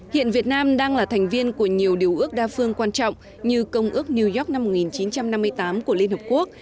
hiện việt nam đang là thành viên của nhiều điều ước đa phương quan trọng như công ước new york năm một nghìn chín trăm năm mươi tám của liên hợp quốc